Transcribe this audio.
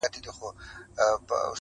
وږی پاته سو زخمي په زړه نتلی!!